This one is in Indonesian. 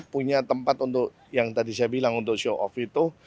punya tempat untuk yang tadi saya bilang untuk show off itu